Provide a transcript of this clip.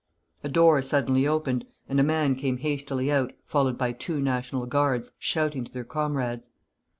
A door suddenly opened and a man came hastily out, followed by two National Guards shouting to their comrades.